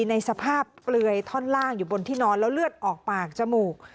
ในสภาพเปลือยท่อนล่างอยู่บนที่นอนแล้วเลือดออกปากจมูก